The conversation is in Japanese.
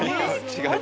違う。